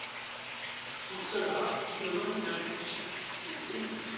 Pour cela, donnons une impulsion, une ligne.